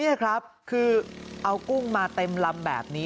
นี่ครับคือเอากุ้งมาเต็มลำแบบนี้